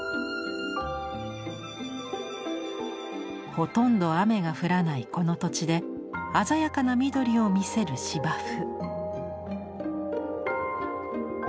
ほとんど雨が降らないこの土地で鮮やかな緑を見せる芝生。